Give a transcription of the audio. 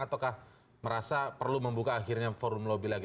ataukah merasa perlu membuka akhirnya forum lobby lagi